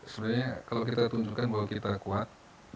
sebenarnya kalau kita tunjukkan bahwa kita kuat